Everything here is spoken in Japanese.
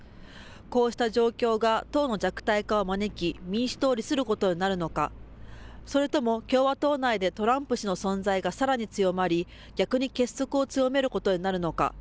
こうした状況が党の弱体化を招き、民主党を利することになるのか、それとも共和党内でトランプ氏の存在がさらに強まり、逆に結束を強めることになるのか。